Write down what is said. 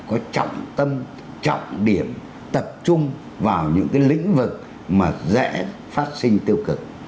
có trọng tâm trọng điểm tập trung vào những cái lĩnh vực mà dễ phát sinh tiêu cực